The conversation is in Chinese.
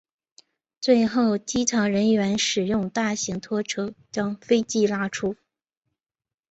最后机场人员使用大型拖车将飞机拉出。